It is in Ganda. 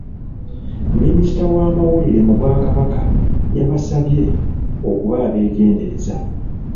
Minisita w'amawulire mu Bwakabaka yabasabye okuba abeegendereza.